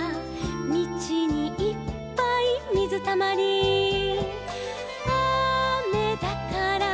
「みちにいっぱいみずたまり」「あめだから」